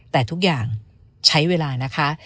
แต่ทุกอย่างใช้เวลานะคะ